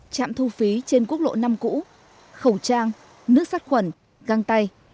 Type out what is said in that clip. trạm thu phí trên quốc lộ năm cũ khẩu trang nước sát khuẩn găng tay